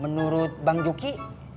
menurut bang juki